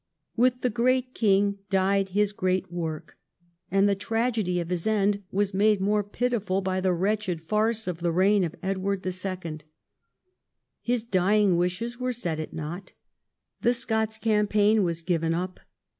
With the great king died his great work, and the tragedy of his end was made more pitiful by the wretched farce of the reign of Edward IL His dying wishes were set at nought. The Scots campaign Avas given up.